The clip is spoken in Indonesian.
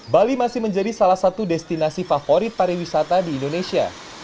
bali masih menjadi salah satu destinasi favorit pariwisata di indonesia